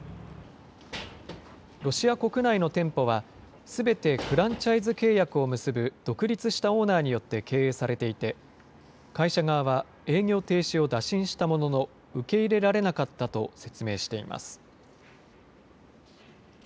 ロシア国内の店舗はすべてフランチャイズ契約を結ぶ独立したオーナーによって経営されていて、会社側は営業停止を打診したものの、受け入れられなかったと説明しています。